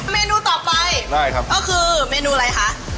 เมนูต่อไปก็คือเมนูอะไรคะ